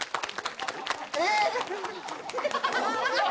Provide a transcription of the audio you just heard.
えっ？